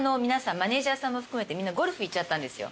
マネジャーさんも含めてみんなゴルフ行っちゃったんですよ。